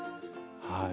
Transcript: はい。